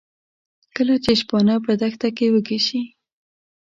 کله چې شپانه په دښته کې وږي شي.